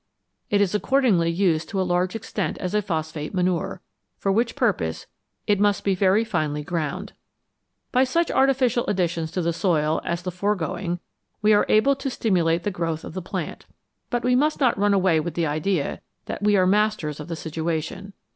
It is accordingly used to a large extent as a phosphate manure, for which purpose it must be very finely ground. By such artificial additions to the soil as the foregoing we are able to stimulate the growth of the plant. But we must not run away with the idea that we are masters of the situation.